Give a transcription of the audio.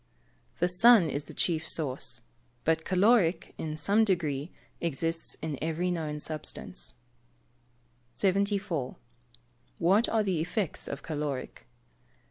_ The sun is its chief source. But caloric, in some degree, exists in every known substance. 74. _What are the effects of caloric?